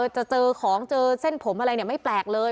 จะเจอของเจอเส้นผมอะไรเนี่ยไม่แปลกเลย